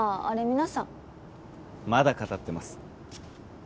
皆さんまだ語ってます